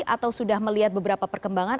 atau sudah melihat beberapa perkembangan